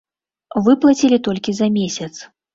Выплацілі толькі за месяц.